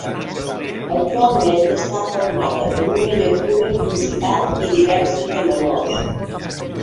Actualment està formada per una llacuna principal i diverses de menors.